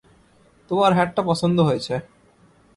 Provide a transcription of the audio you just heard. তোমার হ্যাট টা পছন্দ হয়েছে।